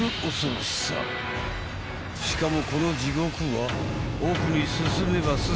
［しかもこの地獄は］